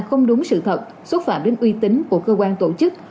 không đúng sự thật xúc phạm đến uy tín của cơ quan tổ chức